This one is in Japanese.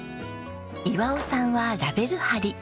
岩男さんはラベル貼り。